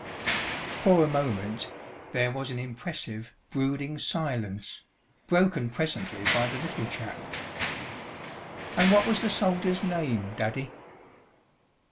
For a moment there was an impressive, brooding silence, broken presently by the Little Chap. "And what was the soldier's name, Daddy?"